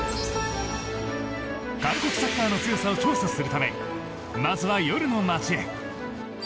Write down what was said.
韓国サッカーの強さを調査するためまずは夜の街へ。